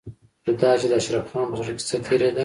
خو دا چې د اشرف خان په زړه کې څه تېرېدل.